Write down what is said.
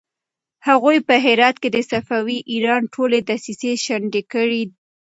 هغوی په هرات کې د صفوي ایران ټولې دسيسې شنډې کړې.